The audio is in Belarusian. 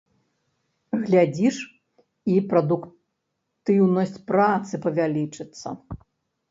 Глядзіш, і прадуктыўнасць працы павялічыцца.